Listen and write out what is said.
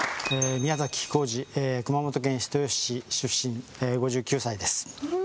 宮幸二熊本県人吉市出身５９歳です。